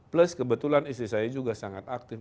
plus kebetulan istri saya juga sangat aktif